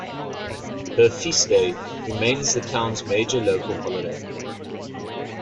Her feast day remains the town's major local holiday.